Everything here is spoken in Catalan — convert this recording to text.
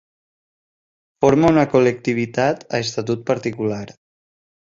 Forma una col·lectivitat a estatut particular.